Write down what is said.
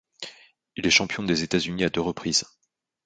Il est champion des États-Unis à deux reprises.